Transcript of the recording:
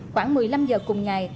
khoảng một mươi năm h cùng ngày